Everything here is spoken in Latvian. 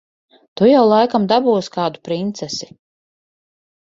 Tu jau laikam dabūsi kādu princesi.